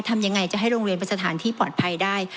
ทำยังไงจะให้โรงเรียนเป็นสถานที่ปลอดภัยได้